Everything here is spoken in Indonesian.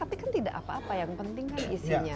tapi kan tidak apa apa yang penting kan isinya